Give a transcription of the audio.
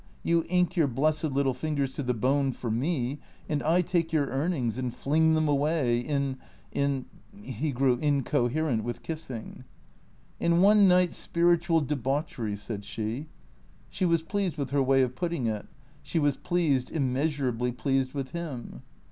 You ink your blessed little fingers to the bone for me, and I take your earnings and fling them away — in — in " He grew incoherent with kiss ing. " In one night's spiritual deljauchery," said she. She was pleased with her way of putting it ; she was pleased, immeasur ably pleased with him.